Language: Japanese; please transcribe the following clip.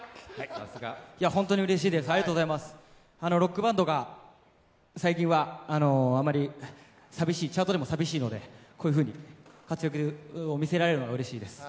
ロックバンドが最近はチャートでもさみしいのでこういうふうに活躍を見せられるのがうれしいです。